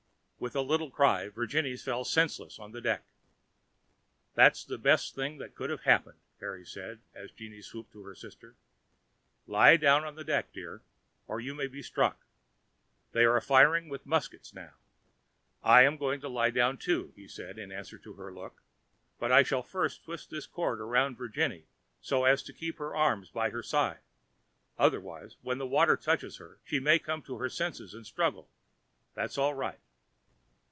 With a little cry Virginie fell senseless on the deck. "That's the best thing that could have happened," Harry said as Jeanne stooped over her sister. "Lie down on the deck, dear, or you may be struck; they are firing with muskets now. I am going to lie down too," he said in answer to her look, "but I shall first twist this cord round Virginie so as to keep her arms by her side, otherwise when the water touches her she may come to her senses and struggle. That's all right."